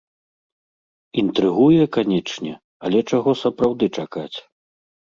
Інтрыгуе, канечне, але чаго сапраўды чакаць?